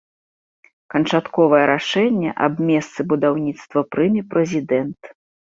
Канчатковае рашэнне аб месцы будаўніцтва прыме прэзідэнт.